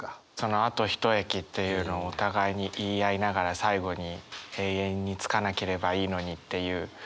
「あと一駅」っていうのをお互いに言い合いながら最後に「永遠に、着かなければいいのに」っていう。